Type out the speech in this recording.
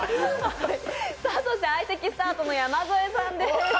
相席スタートの山添さんです。